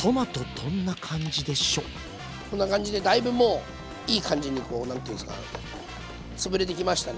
こんな感じでだいぶもういい感じにこう何て言うんすかつぶれてきましたね。